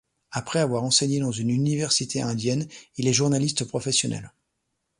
Après avoir enseigné dans une université indienne, il est journaliste professionnel.